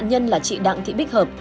nạn nhân là chị đặng thị bích hợp